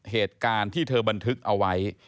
เหตุการณ์ที่เธอบันทึกเอาไว้